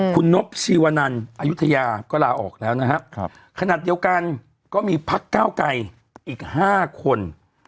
คุณนบชีวนันอายุทยาก็ลาออกแล้วนะครับขนาดเดียวกันก็มีพักเก้าไกรอีก๕คน